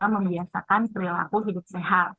membiasakan perilaku hidup sehat